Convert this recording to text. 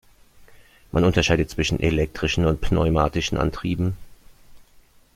Man unterscheidet zwischen elektrischen und pneumatischen Antrieben.